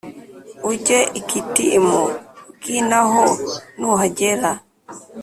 Ujye i kitimu g na ho nuhagera